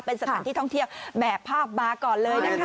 เป็นสถานที่ท่องเที่ยวแหม่ภาพมาก่อนเลยนะคะ